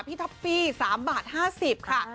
พี่ทัฟฟี่๓บาท๕๐ค่ะ